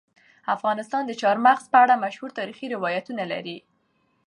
افغانستان د چار مغز په اړه مشهور تاریخي روایتونه لري.